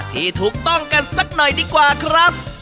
ที่ถูกต้องกันสักหน่อยดีกว่าครับ